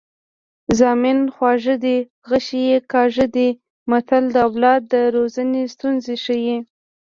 زامن خواږه دي غشي یې کاږه دي متل د اولاد د روزنې ستونزې ښيي